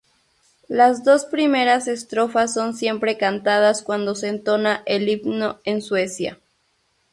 Las dos primeras estrofas son siempre cantadas cuando se entona el himno en Suecia.